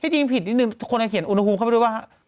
ที่จริงผิดนิดในผิดบ่านคนเขียนอุณหภูมิเข้าไปดูว่า